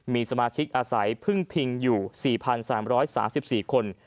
มีสมาชิกอาศัยพึ่งพิงอยู่๔๓๓๔คน